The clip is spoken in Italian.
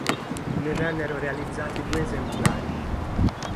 Ne vennero realizzati due esemplari.